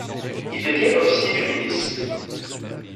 Il devient officier de milice.